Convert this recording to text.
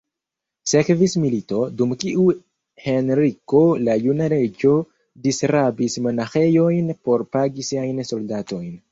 Sekvis milito, dum kiu Henriko la Juna Reĝo disrabis monaĥejojn por pagi siajn soldatojn.